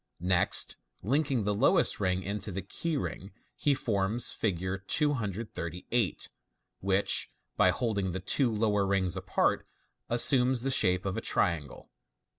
Next linking the lowest ring into the key ring, he forms Fig. 238, which, by holding the two lower rings apart, assumes the shape of a triangle.